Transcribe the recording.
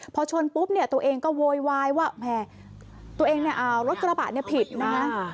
พอชนปุ๊บตัวเองก็โวยวายว่าแม่ตัวเองรถกระบะผิดนะ